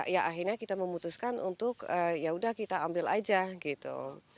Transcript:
ya akhirnya kita memutuskan untuk yaudah kita ambil aja gitu